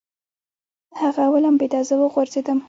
هغه ولمبېده، زه وغورځېدم.